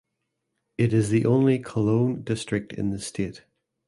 It is the only Cologne District in the state.